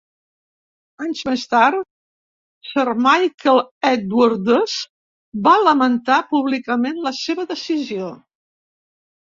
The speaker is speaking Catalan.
Anys més tard, Sir Michael Edwardes va lamentar públicament la seva decisió.